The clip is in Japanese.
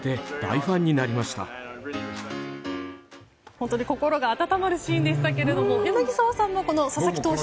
本当に心が温まるシーンでしたが柳澤さんも佐々木投手と。